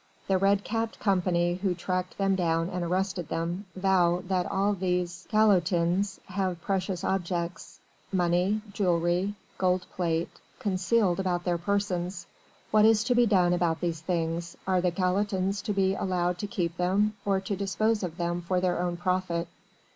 The red capped Company who tracked them down and arrested them, vow that all these calotins have precious objects money, jewelry, gold plate concealed about their persons. What is to be done about these things? Are the calotins to be allowed to keep them or to dispose of them for their own profit?